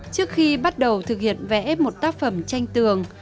trước khi bắt đầu thực hiện vẽ một tác phẩm tranh tường